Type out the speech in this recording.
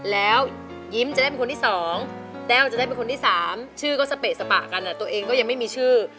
แล้วยิ้มจะได้เป็นคนที่๒แต้วจะได้เป็นคนที่๓ชื่อก็สเปะสปะกันตัวเองก็ยังไม่มีชื่อ